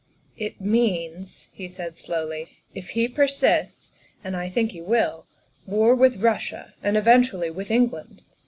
" It means," he said slowly, "if he persists (and I 70 THE WIFE OF think he will), war with Russia and eventually with England.